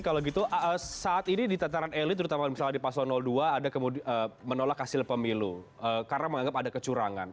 kalau gitu saat ini di tataran elit terutama misalnya di pasal dua ada menolak hasil pemilu karena menganggap ada kecurangan